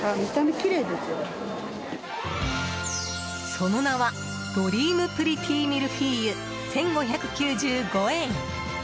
その名はドリームプリティミルフィーユ１５９５円。